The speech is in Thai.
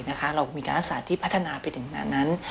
เรามีการรักษาที่พัฒนาไปถึงขนาดนั้น